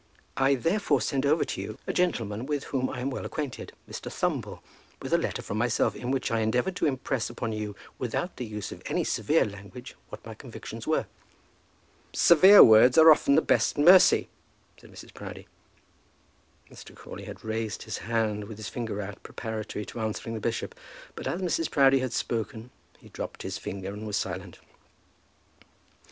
"I, therefore, sent over to you a gentleman with whom I am well acquainted, Mr. Thumble, with a letter from myself, in which I endeavoured to impress upon you, without the use of any severe language, what my convictions were." "Severe words are often the best mercy," said Mrs. Proudie. Mr. Crawley had raised his hand, with his finger out, preparatory to answering the bishop. But as Mrs. Proudie had spoken he dropped his finger and was silent.